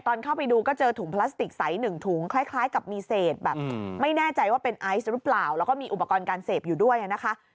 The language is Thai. เข้าไปดูก็เจอถุงพลาสติกใสหนึ่งถุงคล้ายกับมีเศษแบบไม่แน่ใจว่าเป็นไอซ์หรือเปล่าแล้วก็มีอุปกรณ์การเสพอยู่ด้วยนะคะ